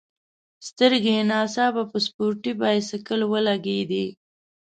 سترګي یې نا ځاپه په سپورټي بایسکل ولګېدې.